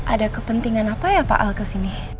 ada kepentingan apa ya pak al kesini